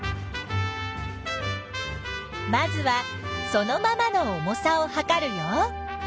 まずはそのままの重さをはかるよ。